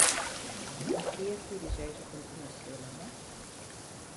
A qui es dirigeix a continuació, l'home?